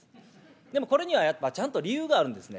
でもこれにはやっぱちゃんと理由があるんですね。